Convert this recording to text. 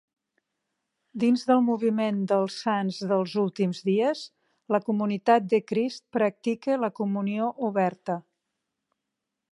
Dins del moviment dels Sants dels Últims Dies, la Comunitat de Crist practica la comunió oberta.